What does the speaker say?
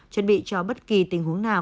chuẩn bị cho bất kỳ tình huống nào